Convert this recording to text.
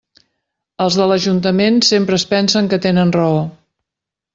Els de l'ajuntament sempre es pensen que tenen raó.